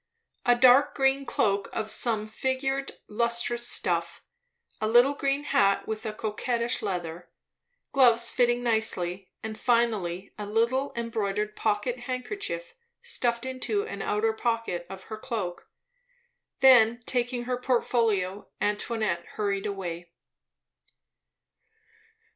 A dark green cloak of some figured, lustrous stuff; a little green hat with a coquettish leather; gloves fitting nicely; and finally a little embroidered pocket handkerchief stuffed into an outer pocket of her cloak. Then taking her portfolio, Antoinette hurried away.